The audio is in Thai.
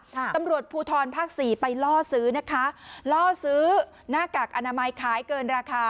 ตำรวจภูทรภาคสี่ไปล่อซื้อนะคะล่อซื้อหน้ากากอนามัยขายเกินราคา